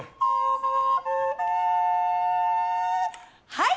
はい！